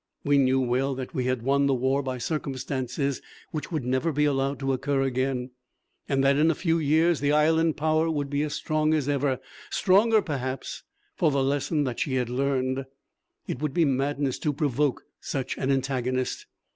We knew well that we had won the war by circumstances which would never be allowed to occur again, and that in a few years the Island Power would be as strong as ever stronger, perhaps for the lesson that she had learned. It would be madness to provoke such an antagonist.